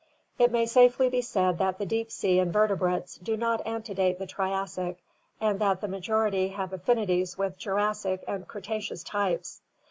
It may safely be said that the deep sea invertebrates do not antedate the Triassic and that the majority have affinities with Jurassic and Cretaceous types.